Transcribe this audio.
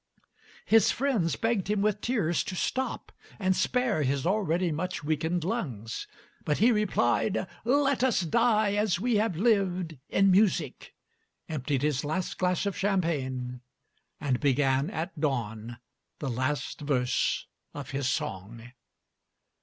His friends begged him with tears to stop, and spare his already much weakened lungs; but he replied, 'Let us die, as we have lived, in music!' emptied his last glass of champagne, and began at dawn the last verse of his song."